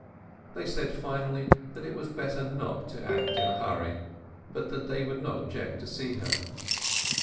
They said finally that it was better not to act in a hurry, but that they would not object to see her.